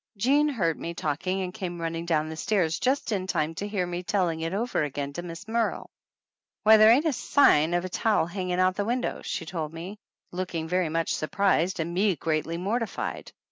Jean heard me talking and came running down the stairs just in time to hear me telling it over again to Miss Merle. "Why, there ain't a sign of a towel hanging out the window," she told me, looking very much surprised and me greatly mortified.